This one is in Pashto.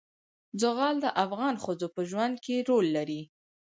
زغال د افغان ښځو په ژوند کې رول لري.